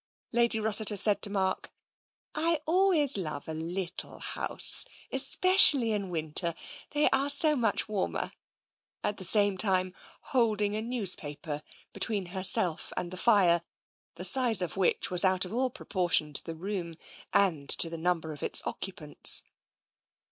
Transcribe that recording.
Lady Rossiter said to Mark, " I always love a little house, especially in winter. They are so much warmer," at the same time holding a newspaper be tween herself and the fire, the size of which was out of all proportion to the room and to the number of its occupants.